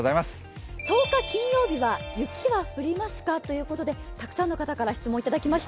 １０日金曜日は、雪は降りますかということでたくさんの方から質問をいただきました。